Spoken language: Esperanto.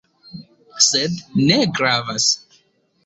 Sed ne gravas.